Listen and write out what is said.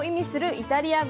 イタリア語。